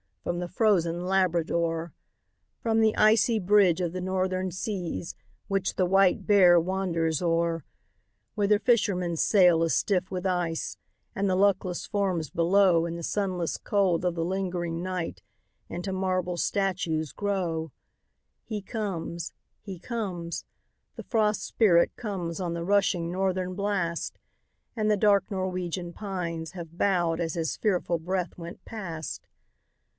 from the frozen Labrador, From the icy bridge of the Northern seas, which the white bear wanders o'er, Where the fisherman's sail is stiff with ice, and the luckless forms below In the sunless cold of the lingering night into marble statues grow He comes, he comes, the Frost Spirit comes on the rushing Northern blast, And the dark Norwegian pines have bowed as his fearful breath went past.